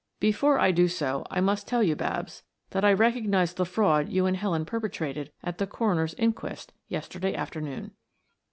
"Before I do so, I must tell you, Babs, that I recognized the fraud you and Helen perpetrated at the coroner's inquest yesterday afternoon."